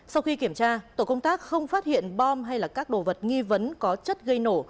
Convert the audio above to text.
sau khi kiểm tra tổ công tác không phát hiện bom hay các đồ vật nghi vấn có chất gây nổ